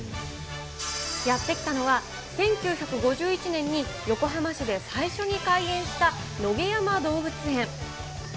やって来たのは１９５１年に横浜市で最初に開園した野毛山動物園。